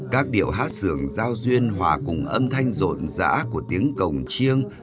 các điệu hát sường giao duyên hòa cùng âm thanh rộn rã của tiếng cồng chiêng